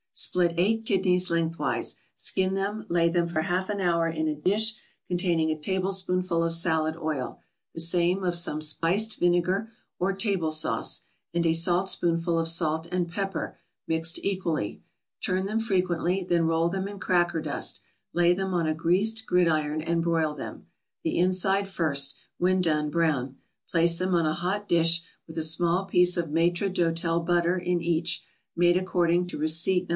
= Split eight kidneys lengthwise, skin them, lay them for half an hour in a dish containing a tablespoonful of salad oil, the same of some spiced vinegar, or table sauce, and a saltspoonful of salt and pepper mixed equally; turn them frequently; then roll them in cracker dust, lay them on a greased gridiron, and broil them, the inside first; when done brown, place them on a hot dish, with a small piece of maître d'hotel butter in each, made according to receipt No.